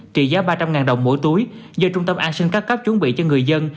trị giá ba trăm linh đồng mỗi túi do trung tâm an sinh các cấp chuẩn bị cho người dân